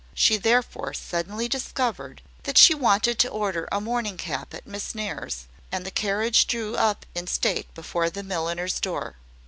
She therefore suddenly discovered that she wanted to order a morning cap at Miss Nares'; and the carriage drew up in state before the milliner's door.